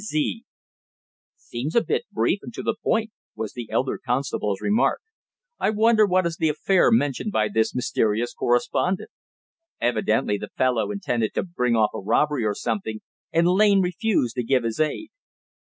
Z."_ "Seems a bit brief, and to the point," was the elder constable's remark. "I wonder what is the affair mentioned by this mysterious correspondent? Evidently the fellow intended to bring off a robbery, or something, and Lane refused to give his aid."